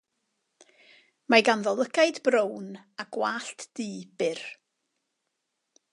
Mae ganddo lygaid brown a gwallt du, byr.